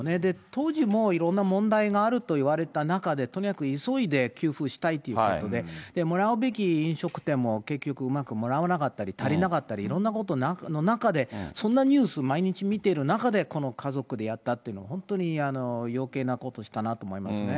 当時もいろんな問題があるといわれた中で、とにかく急いで給付したいということで、もらうべき飲食店も結局、うまくもらわなかったり、足りなかったり、いろんなことの中で、そんなニュース、毎日見ている中で、この家族でやったっていうのは、本当によけいなことしたなと思いますね。